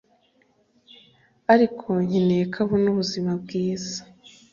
ariko nkeneye ko abona ubuzima bwiza